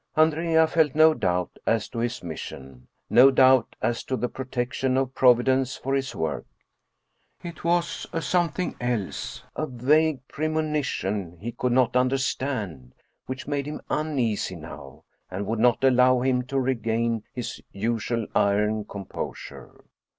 Andrea felt no doubt as to his mission, no doubt as to the protection of Providence for his work. It was a something else, a vague premo nition he could not understand, which made him uneasy now and would not allow him to regain his usual iron composure.